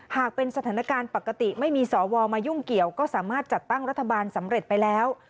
หากเป็นสถานการณ์ปกติไม่มีสวมายุ่งเกี่ยวก็สามารถจัดตั้งรัฐบาลสำเร็จไปแล้ว